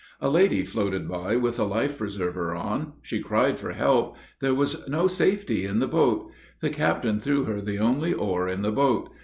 A lady floated by with a life preserver on. She cried for help. There was no safety in the boat. The captain threw her the only oar in the boat.